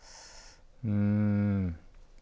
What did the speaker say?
うん。